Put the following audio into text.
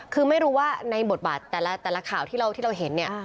คือไม่รู้ว่าในบทบาทแต่ละข่าวที่เราเห็นเนี่ย